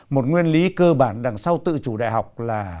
một nguyên lý cơ bản đằng sau tự chủ đại học là